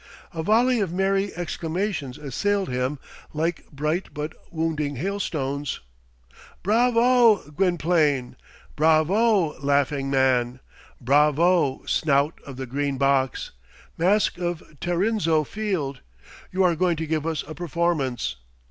A volley of merry exclamations assailed him like bright but wounding hailstones. "Bravo, Gwynplaine!" "Bravo, Laughing Man!" "Bravo, Snout of the Green Box!" "Mask of Tarrinzeau Field!" "You are going to give us a performance."